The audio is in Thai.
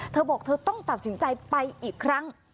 เธอบอกเธอต้องตัดสินใจไปอีกครั้ง